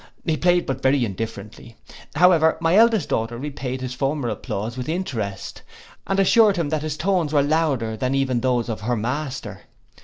He played but very indifferently; however, my eldest daughter repaid his former applause with interest, and assured him that his tones were louder than even those of her master.